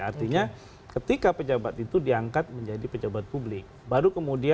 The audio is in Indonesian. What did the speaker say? artinya ketika pejabat itu diangkat menjadi pejabat publik